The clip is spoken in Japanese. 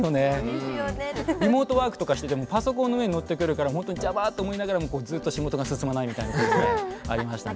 リモートワークとかしててもパソコンの上にのってくるからほんとに邪魔と思いながらもずっと仕事が進まないみたいなことねありましたね。